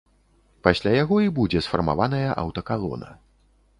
Пасля яго і будзе сфармаваная аўтакалона.